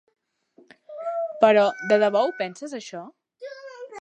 Però de debò ho penses això?